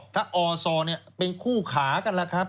ถ้าอศเป็นคู่ขากันล่ะครับ